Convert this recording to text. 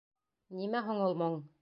Нимә һуң ул моң?